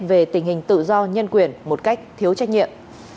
về tình hình tự do nhân quyền một cách thiếu trách nhiệm